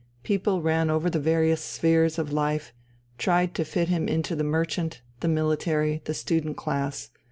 People ran over the various spheres of life, tried to fit him into the merchant, the military, the student class.